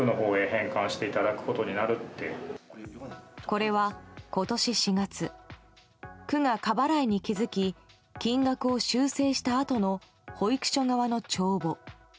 これは、今年４月区が過払いに気づき金額を修正したあとの保育所側の帳簿。